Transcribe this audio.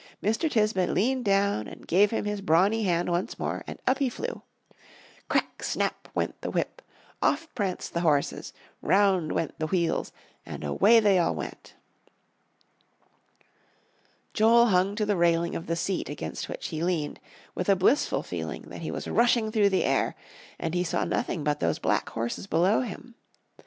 Mr. Tisbett leaned down and gave him his brawny hand once more, and up he flew. "Crack! snap!" went the whip off pranced the horses round went the wheels and away they all went! Joel hung to the railing of the seat against which he leaned, with a blissful feeling that he was rushing through the air, and he saw nothing but those black horses below him.